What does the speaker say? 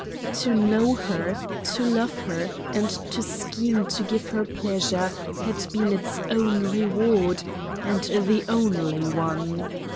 To know her, to love her, and to scheme to give her pleasure had been its own reward, and the only one.